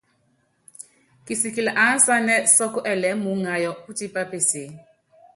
Kisikilɛ aánsanɛ́ sɔ́kɔ́ ɛɛlɛɛ́ muúŋayɔ́, pútipá peseé.